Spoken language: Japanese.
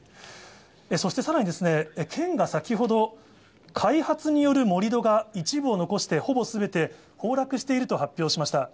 そしてさらに県が先ほど、開発による盛り土が一部を残してほぼすべて、崩落していると発表しました。